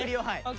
はい。